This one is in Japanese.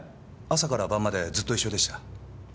朝から晩までずっと一緒でした。